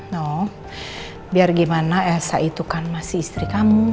no biar gimana elsa itu kan masih istri kamu